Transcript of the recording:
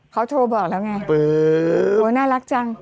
เขาโทรบอกแล้วไงโอ้น่ารักจัง